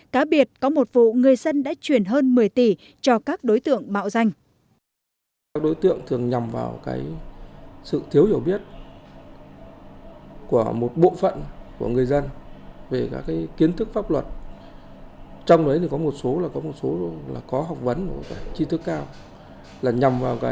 cá biệt có một vụ người dân đã chuyển hơn một mươi tỷ cho các đối tượng bạo danh